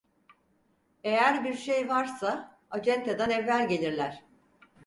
Eğer bir şey varsa, acentadan evvel gelirler!